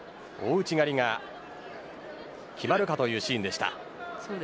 大内刈が決まるかというシーンでした。